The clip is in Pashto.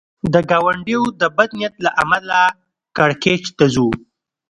د ګاونډیو د بد نیت له امله کړکېچ ته ځو.